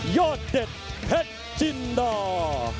ยอดเด็ดเพชรจินดา